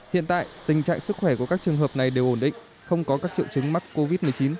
hiện tại tình trạng sức khỏe của các trường hợp này đều ổn định không có các triệu chứng mắc covid một mươi chín